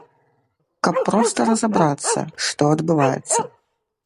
Каб проста разабрацца, што адбываецца.